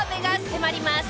「迫ります」